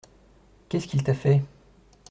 Qu'est-ce qu'il t'a fait ?